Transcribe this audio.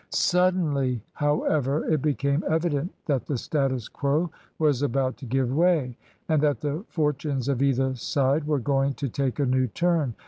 Suddenly, however; it become evident that the status quo was about to give way, and that the fortunes of either side were going to take a new turn.